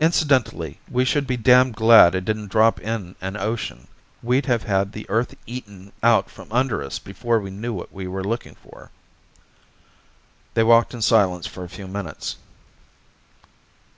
"Incidentally, we should be damned glad it didn't drop in an ocean. We'd have had the Earth eaten out from under us before we knew what we were looking for." They walked in silence for a few minutes.